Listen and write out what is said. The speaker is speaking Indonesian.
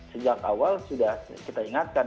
sejak awal sudah kita ingatkan